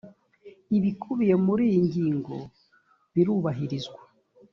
ibikubiye muri iyi ngingo birubahirizwa.